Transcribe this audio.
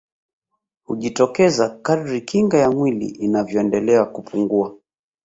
Hujitokeza kadri kinga ya mwili inavyoendelea kupungua